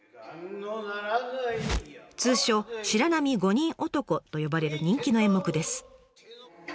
通称「白浪五人男」と呼ばれる人気の演目です。